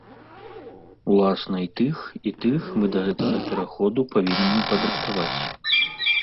Уласна і тых, і тых мы да гэтага пераходу павінны падрыхтаваць.